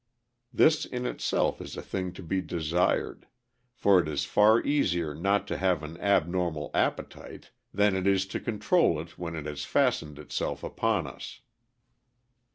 This in itself is a thing to be desired, for it is far easier not to have an abnormal appetite than it is to control it when it has fastened itself upon us.